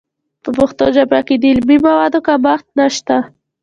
په پښتو ژبه کې د علمي موادو کمښت نشته.